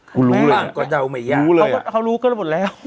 ผมรู้เลยอะเขารู้ก็เลยบ่นแล้ว